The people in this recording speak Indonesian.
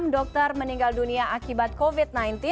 enam dokter meninggal dunia akibat covid sembilan belas